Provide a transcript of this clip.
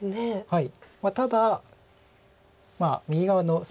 はい。